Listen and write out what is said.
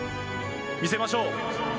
見せましょう！